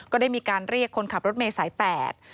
ก็ได้มีการเรียกคนขับรถเมย์สายแปด